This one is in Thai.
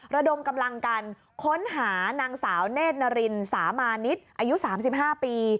ระดมกำลังกันค้นหานางสาวเนธนารินสามานิดอายุ๓๕ปี